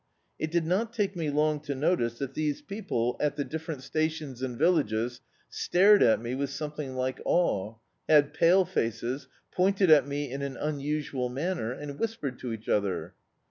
It did not take me long to notice that these people [>S9] D,i.,.db, Google The Autobiography of a Super Tramp at the different stations and villages stared at me with something like awe, had pale faces, pointed at me in an unusual manner and whispered to each other.